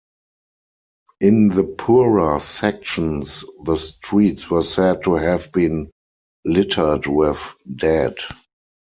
In the poorer sections the streets were said to have been littered with dead.